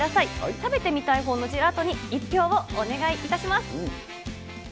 食べてみたいほうのジェラートに１票をお願いいたします。